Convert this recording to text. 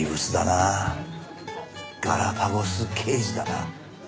ガラパゴス刑事だな。